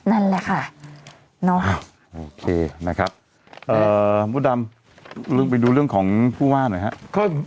อืมโอเคนะครับพี่ดำไปดูเรื่องของผู้ว่าหน่อยครับ